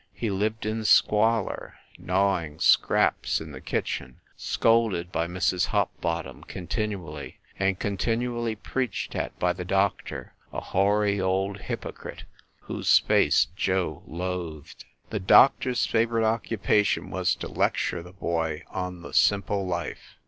He lived in squalor, gnawing scraps in the kitchen, scolded by Mrs. Hopbottom continually, and continually preached at by the doctor, a hoary old hypocrite, whose face Joe loathed. 6 FIND THE WOMAN The doctor s favorite occupation was to lecture the boy on the simple life.